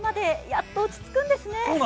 やっと落ち着くんですね。